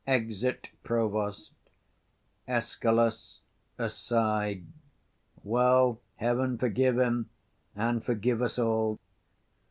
[Exit Provost. Escal. [Aside] Well, heaven forgive him! and forgive us all!